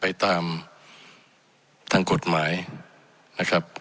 ไปตามทางกฎหมายนะครับ